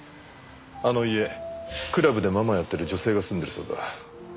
あの家クラブでママやってる女性が住んでるそうだ。